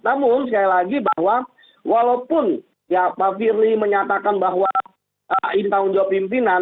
namun sekali lagi bahwa walaupun ya pak firly menyatakan bahwa ini tanggung jawab pimpinan